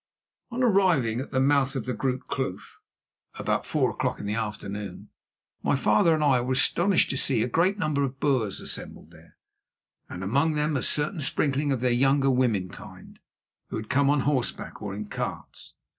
On arriving at the mouth of Groote Kloof about four o'clock in the afternoon, my father and I were astonished to see a great number of Boers assembled there, and among them a certain sprinkling of their younger womankind, who had come on horseback or in carts.